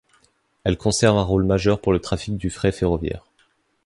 Elle conserve un rôle majeur pour le trafic du fret ferroviaire.